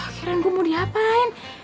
akhirnya gue mau diapain